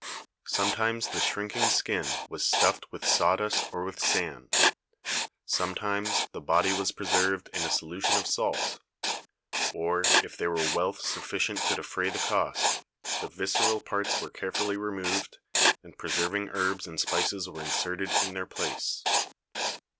Sometimes the shrinking skin was stuffed with sawdust or with sand. Sometimes the body was preserved in a solution of salt, or, if there were wealth sufficient to defray the cost, the visceral parts were carefully removed, and preserving herbs and spices were inserted in their place.